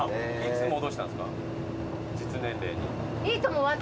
実年齢に。